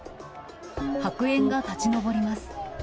白煙が立ち上ります。